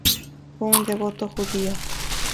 Fue un devoto judío.